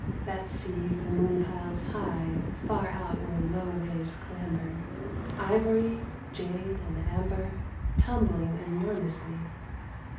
That sea the moon piles high far out where low waves clamber, Ivory, jade, and amber, tumbling enormously.